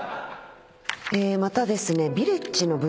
またですね。